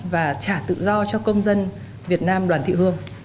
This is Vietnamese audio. và trả tự do cho công dân việt nam đoàn thị hương